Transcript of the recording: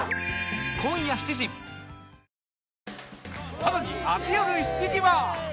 更に明日よる７時は